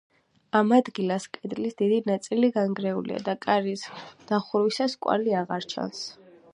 ამ ადგილას კედლის დიდი ნაწილი განგრეულია და კარის გადახურვის კვალი აღარ ჩანს.